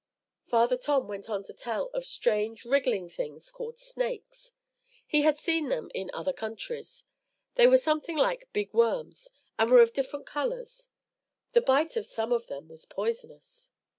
Father Tom went on to tell of strange wriggling things called snakes. He had seen them in other countries. They were something like big worms, and were of different colours. The bite of some of them was poisonous.